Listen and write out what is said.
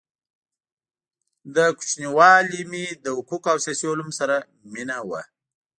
د كوچنیوالي مي له حقو قو او سیاسي علومو سره مینه وه؛